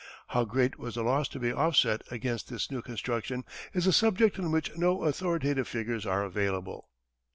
How great was the loss to be offset against this new construction is a subject on which no authoritative figures are available.